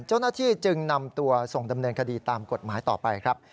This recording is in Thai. เจ้าหน้าที่จึงนำตัวส่งดำเนินคดีตามกฎหมายต่อไปครับ